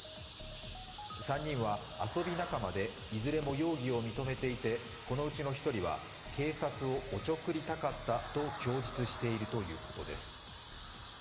３人は遊び仲間でいずれも容疑を認めていてこのうちの１人は警察をおちょくりたかったと供述しているということです。